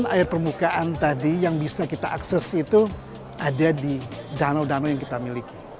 air permukaan tadi yang bisa kita akses itu ada di danau danau yang kita miliki